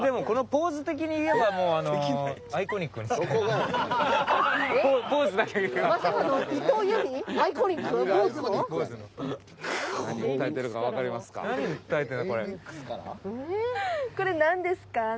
これなんですか？